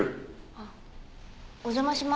あっお邪魔します。